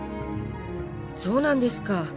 そうなんですか。